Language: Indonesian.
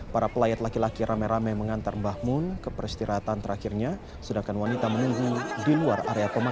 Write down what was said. para pelayat laki laki rame rame mengantar mbah mun ke peristirahatan terakhirnya sedangkan wanita menunggu di luar area pemakaman